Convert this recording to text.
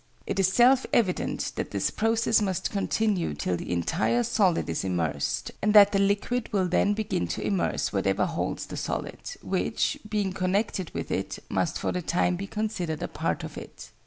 It is self evident that this process must continue till the entire solid is immersed, and that the liquid will then begin to immerse whatever holds the solid, which, being connected with it, must for the time be considered a part of it.